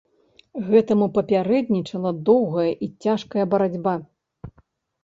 Гэтаму папярэднічала доўгая і цяжкая барацьба.